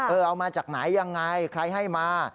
เอามาจากไหนยังไงใครให้มา